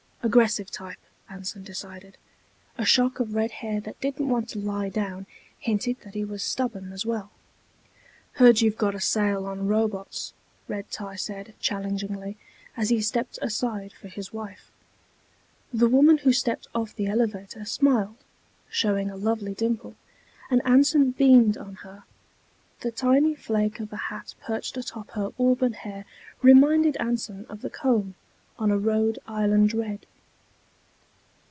Aggressive type, Anson decided. A shock of red hair that didn't want to lie down hinted that he was stubborn as well. "Heard you've got a sale on robots," Red tie said, challengingly, as he stepped aside for his wife. The woman who stepped off the elevator smiled, showing a lovely dimple, and Anson beamed on her. The tiny flake of a hat perched atop her auburn hair reminded Anson of the comb on a Rhode Island Red.